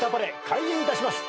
開演いたします。